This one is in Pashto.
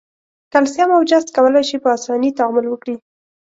کلسیم او جست کولای شي په آساني تعامل وکړي.